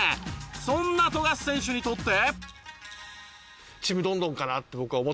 そんな富樫選手にとって。